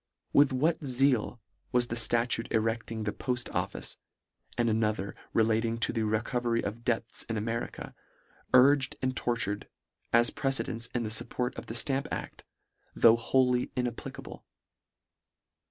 With what zeal was the ftatute erecting the port office, and another relating to the reco very of debts in America, urged and tortur ed, as precedents in thefupport of the Stamp adl, though wholly inapplicable.